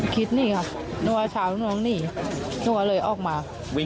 คิดนี่ค่ะ